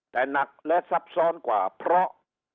แต่หนักและซับซ้อนกว่าเพราะ